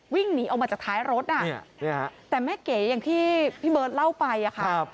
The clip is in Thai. วิ่งหนีออกมาจากท้ายรถอ่ะแต่แม่เก๋อย่างที่พี่เบิร์ตเล่าไปอะค่ะ